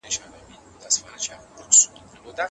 سکولاستیک د علم د تربيې یوه مهمه فارغه دوره ده.